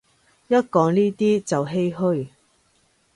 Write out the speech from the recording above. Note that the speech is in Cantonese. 一講呢啲就唏噓